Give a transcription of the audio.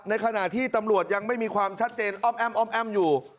ขณะที่ตำรวจยังไม่มีความชัดเจนอ้อมอ้อมแอ้มอยู่